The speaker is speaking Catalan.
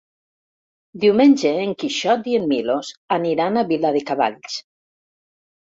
Diumenge en Quixot i en Milos aniran a Viladecavalls.